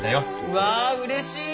うわあうれしい！